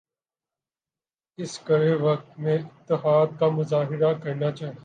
اس کڑے وقت میں اتحاد کا مظاہرہ کرنا چاہئے